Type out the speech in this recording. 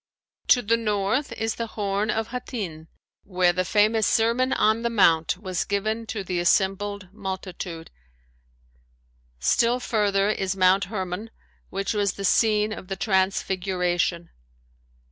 To the north is the "Horn of Hattin," where the famous Sermon on the Mount was given to the assembled multitude. Still further is Mount Hermon which was the scene of the transfiguration.